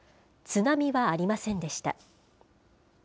津波はありませんでした。